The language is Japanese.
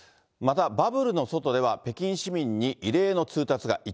また、バブルの外では北京市民に異例の通達が。